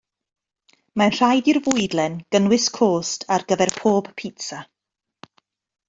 Mae'n rhaid i'r fwydlen gynnwys cost ar gyfer pob pitsa